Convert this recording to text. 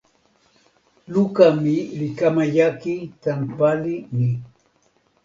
luka mi li kama jaki tan pali ni.